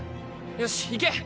よし行け。